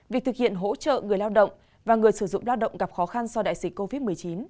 việc thực hiện hỗ trợ người lao động và người sử dụng lao động gặp khó khăn do đại dịch covid một mươi chín